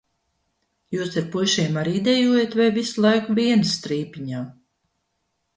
Jūs ar puišiem arī dejojat vai visu laiku vienas strīpiņā?